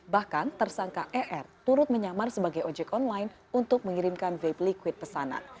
bahkan tersangka er turut menyamar sebagai ojek online untuk mengirimkan vape liquid pesanan